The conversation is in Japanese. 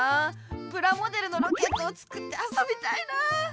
プラモデルのロケットをつくってあそびたいな。